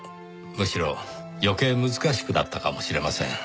むしろ余計難しくなったかもしれません。